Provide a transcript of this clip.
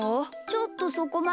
ちょっとそこまで。